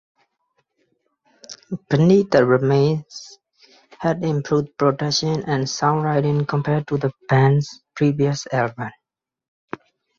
"Beneath the Remains" had improved production and songwriting compared to the band's previous albums.